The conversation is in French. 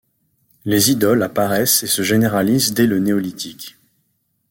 Les idoles apparaissent et se généralisent dès le néolithique.